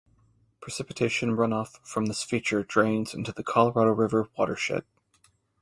Precipitation runoff from this feature drains into the Colorado River watershed.